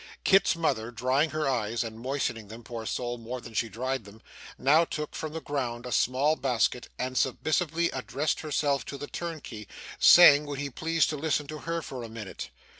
Kit's mother, drying her eyes (and moistening them, poor soul, more than she dried them), now took from the ground a small basket, and submissively addressed herself to the turnkey, saying, would he please to listen to her for a minute?